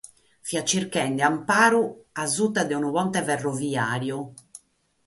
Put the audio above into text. Fiat chirchende amparu in suta de unu ponte ferroviàriu.